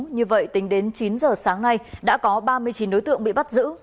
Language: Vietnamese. như vậy tính đến chín giờ sáng nay đã có ba mươi chín đối tượng bị bắt giữ